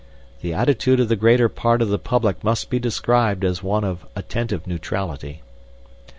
The attitude of the greater part of the public might be described as one of attentive neutrality.